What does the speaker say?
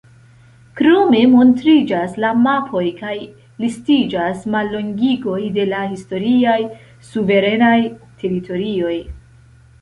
Krome montriĝas la mapoj kaj listiĝas mallongigoj de la historiaj suverenaj teritorioj.